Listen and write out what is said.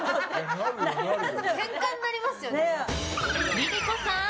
ＬｉＬｉＣｏさん！